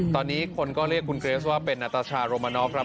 ตอนนี้คนก็เรียกคุณเกรสว่าเป็นอัตชาโรมานอฟครับ